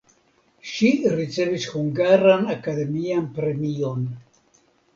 Ŝi ricevis hungaran akademian premion.